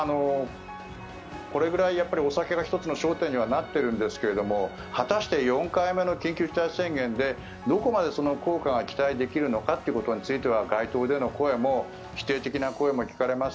これぐらいお酒が１つの焦点にはなってるんですが果たして４回目の緊急事態宣言でどこまでその効果が期待できるのかということについては街頭での声も否定的な声も聞かれます